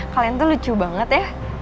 kalian tuh lucu banget ya